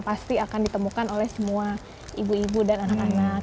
pasti akan ditemukan oleh semua ibu ibu dan anak anak